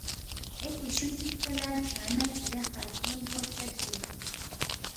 اے کُشُو چِک پو لہ کھیانگ نہ کِھری خاتون پو فید بیوس